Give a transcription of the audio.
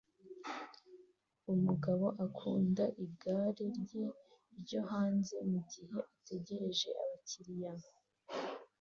Umugabo akunda igare rye ryo hanze mugihe ategereje abakiriya